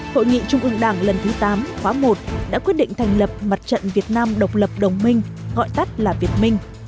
hội nghị trung ương đảng lần thứ tám khóa một đã quyết định thành lập mặt trận việt nam độc lập đồng minh gọi tắt là việt minh